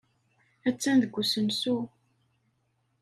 Attan deg usensu.